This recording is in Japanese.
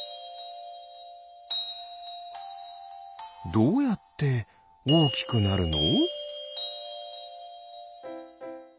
どうやっておおきくなるの？